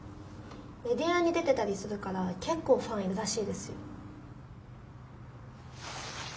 メディアに出てたりするから結構ファンいるらしいですよ。